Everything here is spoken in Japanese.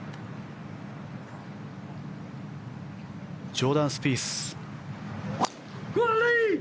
ジョーダン・スピース。